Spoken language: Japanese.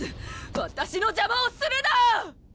わたしの邪魔をするな！